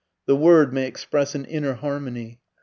The word may express an inner harmony.